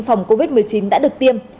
phòng covid một mươi chín đã được tiêm